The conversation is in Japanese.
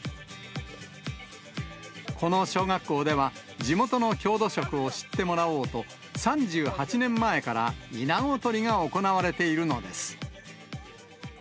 この小学校では、地元の郷土食を知ってもらおうと、３８年前からイナゴ取りが行われているのです。